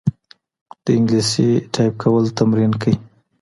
د انګلیسي ټایپ کول تمرین کړئ.